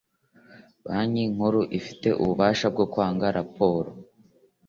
Banki Nkuru ifite ububasha bwo kwanga raporo.